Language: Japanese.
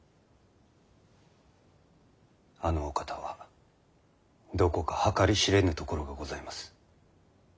あのお方はどこか計り知れぬところがございます。